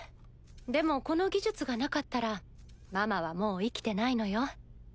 でもこの技術がなかったらママはもう生きてないのよ。